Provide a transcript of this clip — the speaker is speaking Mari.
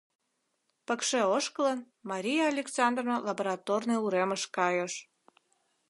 Пыкше ошкылын, Мария Александровна Лабораторный уремыш кайыш.